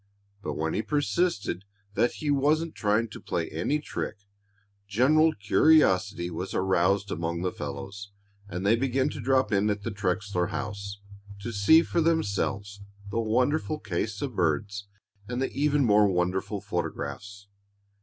But when he persisted that he wasn't trying to play any trick general curiosity was aroused among the fellows, and they began to drop in at the Trexler house to see for themselves the wonderful case of birds and the even more wonderful photographs.